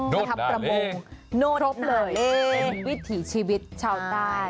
โนธนาเลโนธนาเลเป็นวิถีชีวิตชาวใต้